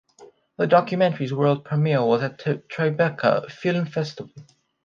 The documentary's world premiere was at the Tribeca Film Festival.